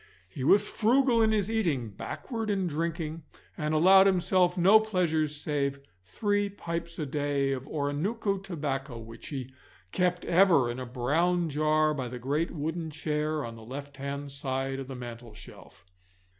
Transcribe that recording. He was frugal in his eating, backward in drinking, and allowed himself no pleasures save three pipes a day of Oronooko tobacco, which he kept ever in a brown jar by the great wooden chair on the left hand side of the mantelshelf.